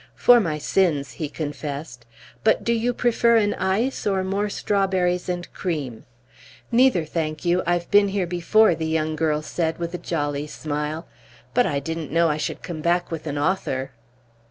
"For my sins," he confessed. "But do you prefer an ice, or more strawberries and cream?" "Neither, thank you. I've been here before," the young girl said with a jolly smile. "But I didn't know I should come back with an author!"